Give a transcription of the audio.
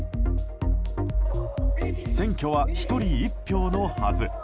選挙は１人１票のはず。